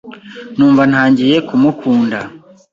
numva ntangiye ku mukunda